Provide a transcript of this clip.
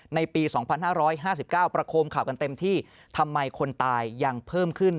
ในปี๒๕๕๙ประโคมข่าวกันเต็มที่ทำไมคนตายยังเพิ่มขึ้น